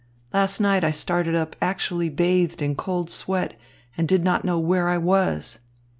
Last night I started up actually bathed in cold sweat, and did not know where I was.